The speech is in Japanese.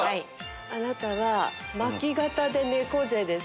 あなたは巻き肩で猫背です。